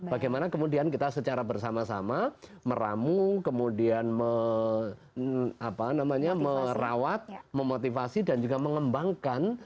bagaimana kemudian kita secara bersama sama meramu kemudian merawat memotivasi dan juga mengembangkan